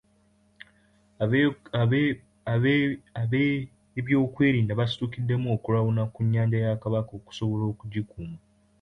Ab'ebyokwerinda basitukiddemu okulawuna ku nnyanja ya Kabaka okusobola okugikuuma.